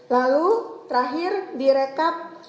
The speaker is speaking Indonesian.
lalu terakhir direkap